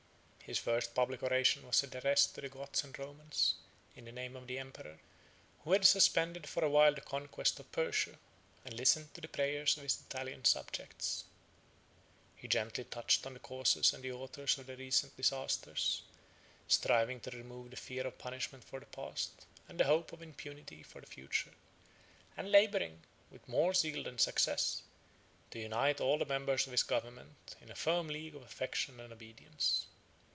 His first public oration was addressed to the Goths and Romans, in the name of the emperor, who had suspended for a while the conquest of Persia, and listened to the prayers of his Italian subjects. He gently touched on the causes and the authors of the recent disasters; striving to remove the fear of punishment for the past, and the hope of impunity for the future, and laboring, with more zeal than success, to unite all the members of his government in a firm league of affection and obedience.